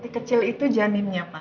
kecil itu janinnya pak